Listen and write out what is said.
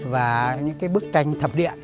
và những cái bức tranh thập địa